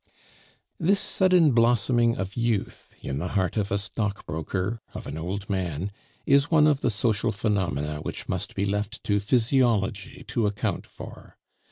This sudden blossoming of youth in the heart of a stockbroker, of an old man, is one of the social phenomena which must be left to physiology to account for.